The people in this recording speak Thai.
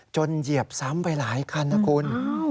เหยียบซ้ำไปหลายคันนะคุณ